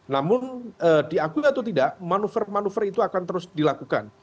namun diakui atau tidak manuver manuver itu akan terus dilakukan